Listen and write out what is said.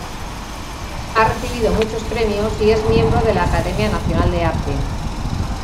Ha recibido muchos premios y es miembro de la Academia Nacional de Arte.